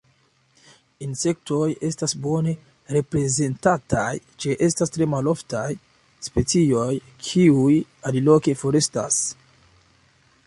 Insektoj estas bone reprezentataj: ĉeestas tre maloftaj specioj kiuj aliloke forestas.